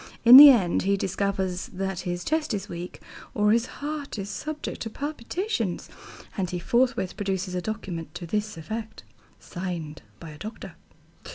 In the end he discovers that his chest is weak, or his heart is subject to palpitations, and he forthwith produces a document to this effect, signed by a doctor.